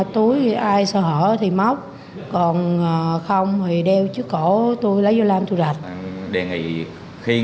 túi ai sợ hỡi thì móc còn không thì đeo trên cổ tôi lấy vô làm tôi lạch